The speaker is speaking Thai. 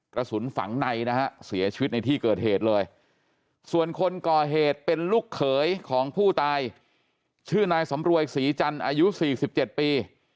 กระสุนฝังในนะฮะเสียชีวิตในที่เกิดเหตุเลยส่วนคนก่อเหตุเป็นลูกเขยของผู้ตายชื่อนายสำรวยศรีจันทร์อายุ๔๗ปี